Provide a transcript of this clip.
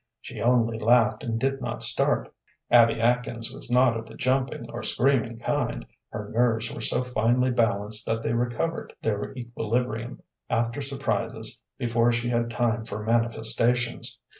She only laughed and did not start. Abby Atkins was not of the jumping or screaming kind, her nerves were so finely balanced that they recovered their equilibrium, after surprises, before she had time for manifestations.